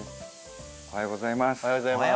おはようございます。